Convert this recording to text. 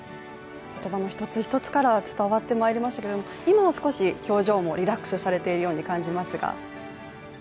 言葉の一つ一つから伝わってまいりましたけれども今は少し表情もリラックスされているように感じますが？